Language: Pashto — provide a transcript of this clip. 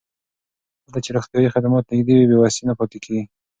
کله چې روغتیايي خدمات نږدې وي، بې وسۍ نه پاتې کېږي.